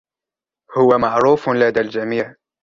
هو معروف لدى الجميع.